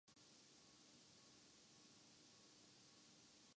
اس سے قانون ہاتھ میں لینے کا رجحان پیدا ہوتا ہے۔